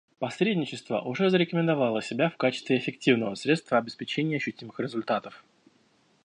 Посредничество уже зарекомендовало себя в качестве эффективного средства обеспечения ощутимых результатов.